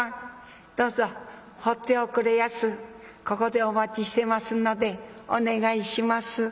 ここでお待ちしてますのでお願いします。